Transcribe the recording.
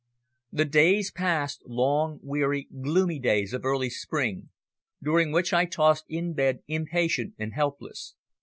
The days passed, long, weary, gloomy days of early spring, during which I tossed in bed impatient and helpless.